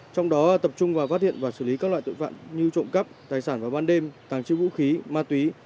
trong đó tập trung vào phát hiện và xử lý các loại tội phạm như trộm cắp tài sản vào ban đêm tàng trữ vũ khí ma túy